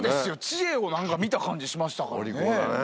知恵を見た感じしましたからね。